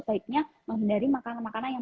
sebaiknya menghindari makanan makanan yang